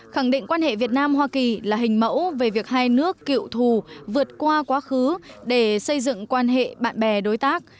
khẳng định quan hệ việt nam hoa kỳ là hình mẫu về việc hai nước cựu thù vượt qua quá khứ để xây dựng quan hệ bạn bè đối tác